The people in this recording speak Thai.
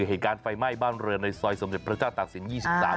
เหตุการณ์ไฟไหม้บ้านเรือนในซอยสมเด็จพระเจ้าตากศิลป๒๓